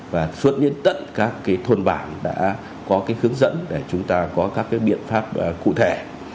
và suốt nhiên tất các cái thôn bản đã có cái hướng dẫn để chúng ta có các cái biện pháp cụ thể